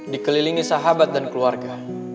dikelilingi sahabat dan keluarga